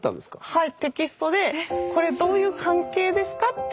はい。